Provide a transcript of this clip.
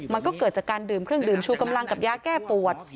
มันก็เกิดจากการดื่มเครื่องดื่มชูกำลังกับยาแก้ปวด